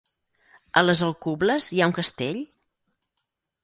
A les Alcubles hi ha un castell?